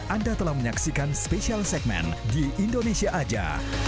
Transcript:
anda telah menyaksikan special segmen di indonesia aja